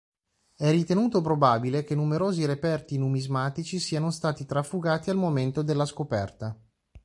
È ritenuto probabile che numerosi reperti numismatici siano stati trafugati al momento della scoperta.